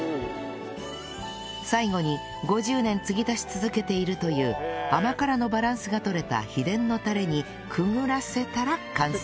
最後に５０年継ぎ足し続けているという甘辛のバランスが取れた秘伝のタレにくぐらせたら完成